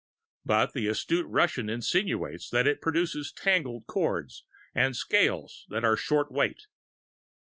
But the astute Russian insinuates that it produces tangled chords and scales that are short weight.